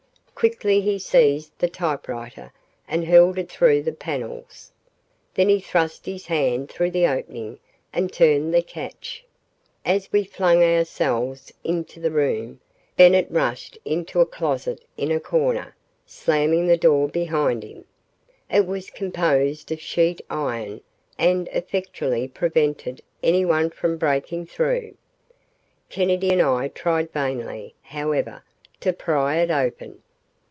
Quickly he seized the typewriter and hurled it through the panels. Then he thrust his hand through the opening and turned the catch. As we flung ourselves into the room, Bennett rushed into a closet in a corner, slamming the door behind him. It was composed of sheet iron and effectually prevented anyone from breaking through. Kennedy and I tried vainly, however, to pry it open.